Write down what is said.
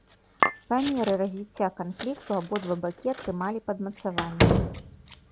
Па меры развіцця канфлікту абодва бакі атрымалі падмацаванне.